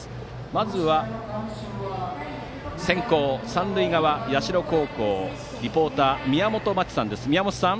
まずは先攻、三塁側、社高校リポーター、宮本真智さんです。